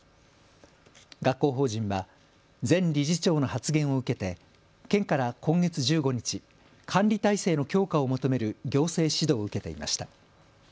学校法人は前理事長の発言を受けて県から今月１５日に管理体制の強化を求める行政指導を受けていました。